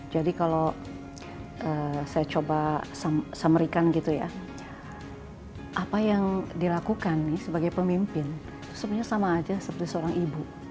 jadi kalau saya coba samerikan gitu ya apa yang dilakukan nih sebagai pemimpin itu sebenarnya sama aja seperti seorang ibu